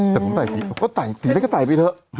แต่ผมใส่สีสีนี้ก็ใส่ไปเถอะ